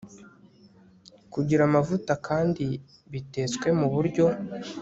kugira amavuta kandi bitetswe mu buryo